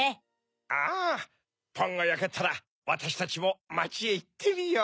ああパンがやけたらわたしたちもまちへいってみよう。